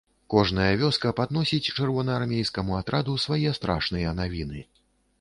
Кожная вёска падносіць чырвонаармейскаму атраду свае страшныя навіны.